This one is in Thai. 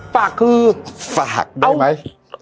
ฝากคือฝากด้วยไหม